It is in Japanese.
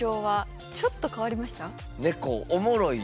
ちょっと変わりました？